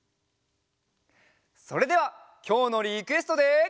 それではきょうのリクエストで。